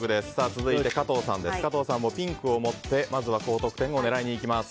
続いて、加藤さん。加藤さんもピンクを持ってまずは高得点を狙いにいきます。